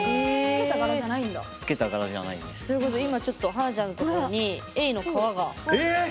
付けた柄じゃないです。ということで今ちょっと華ちゃんの所にエイの革が。え！